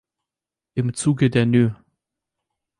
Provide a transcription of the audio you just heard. Im Zuge der NÖ.